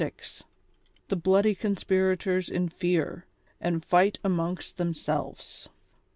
THE BLOODY COXSPIRATOES IX FEAR, AXD FIGHT AMOXGST THEMSELVES.